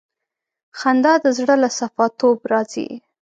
خندا د زړه له صفا توب راځي.